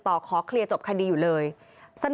โอเคโอเคโอเคโอเค